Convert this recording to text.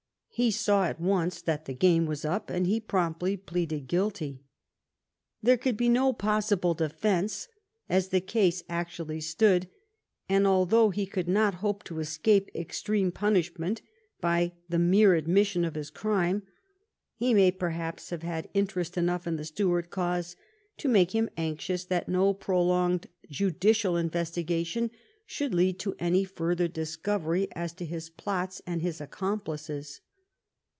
He saw at once that the game was up, and he promptly pleaded guilty. There could be no possible defence as the case actually stood, and although he could not hope to escape extreme punishment by the mere admission of his crime, he may perhaps have had interest enough in the Stuart cause to make him anxious that no prolonged judicial investigation should lead to any further dis covery as to his plots and his accomplices.